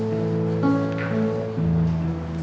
lo kan kuat